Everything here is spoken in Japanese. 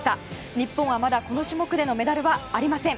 日本はまだこの種目でのメダルはありません。